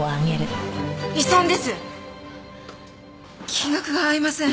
金額が合いません。